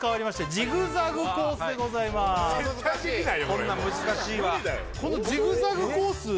こんなん難しいわこのジグザグコース